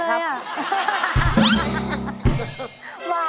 ขอเชิญครูแงะครับ